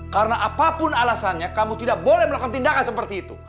karena apapun alasannya kamu tidak boleh melakukan tindakan seperti itu